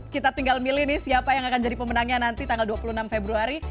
kita tinggal milih nih siapa yang akan jadi pemenangnya nanti tanggal dua puluh enam februari